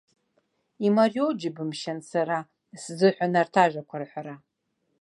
Имариоу џьыбымшьан сара сзыҳәан арҭ ажәақәа рҳәара.